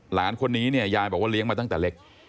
หลานคนนี้เนี่ยยายบอกว่าเลี้ยงมาตั้งแต่เล็ก